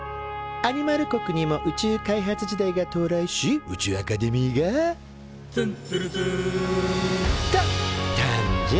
アニマル国にも宇宙開発時代が到来し宇宙アカデミーが「つんつるつん」と誕生。